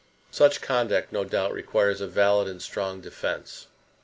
Such conduct no doubt requires a valid and strong defence.